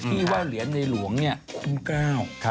ที่ว่าเหรียญในหลวงคุณก้าว